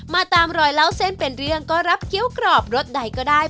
ตามรอยเล่าเส้นเป็นเรื่องก็รับเกี้ยวกรอบรสใดก็ได้